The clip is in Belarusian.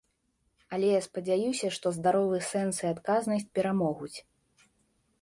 Але я спадзяюся, што здаровы сэнс і адказнасць перамогуць.